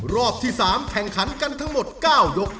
รอบที่๓แข่งขันกันทั้งหมด๙ยก